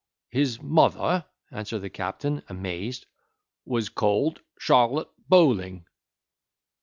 "His mother," answered the captain, amazed, "was called Charlotte Bowling."